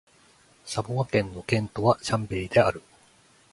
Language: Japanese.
サヴォワ県の県都はシャンベリである